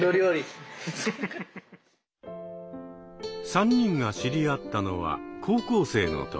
３人が知り合ったのは高校生の時。